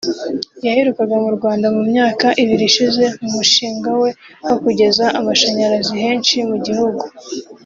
yaherukaga mu Rwanda mu myaka ibiri ishize mu mushinga we wo kugeza amashanyarazi henshi mu gihugu